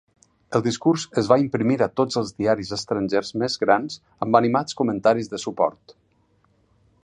El discurs es va imprimir a tots els diaris estrangers més grans amb animats comentaris de suport.